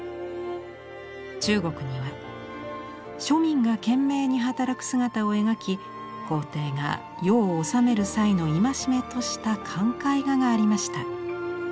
中国には庶民が懸命に働く姿を描き皇帝が世を治める際の戒めとした勧戒画がありました。